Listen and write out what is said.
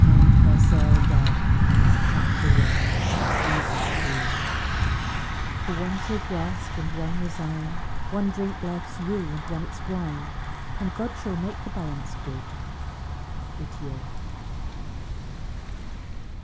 CONCLUSION A VANISHED HAND CHAPTER I IN A BACK ROOM "For one shall grasp, and one resign, One drink life's rue, and one its wine, And God shall make the balance good." WHITTIER.